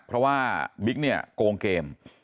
เพราะว่าบิ๊กเนี่ยโกงเกม